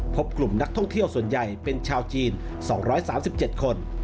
พบกลุ่มนักท่องเที่ยวส่วนใหญ่เป็นชาวจีน๒๓๗คน